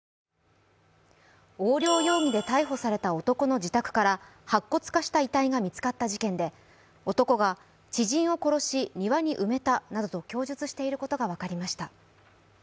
横領容疑で逮捕された男の自宅から白骨化した遺体が見つかった事件で、男が知人を殺し、庭に埋めたなどと供述していることが分かりました。